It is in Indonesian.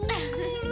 itu kan gue dulu